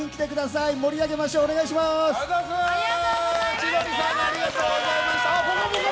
千鳥さんありがとうございました。